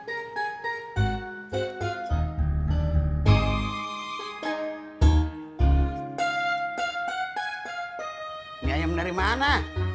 ini ayam dari mana